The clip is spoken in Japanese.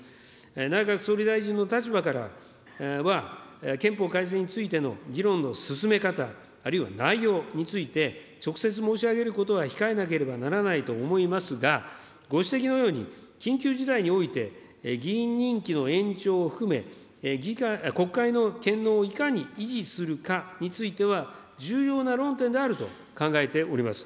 内閣総理大臣の立場からは、憲法改正についての議論の進め方、あるいは内容について、直接申し上げることは控えなければならないと思いますが、ご指摘のように、緊急事態において、議員任期の延長を含め、国会の権能をいかに維持するかについては、重要な論点であると考えております。